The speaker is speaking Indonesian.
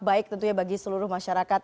baik tentunya bagi seluruh masyarakat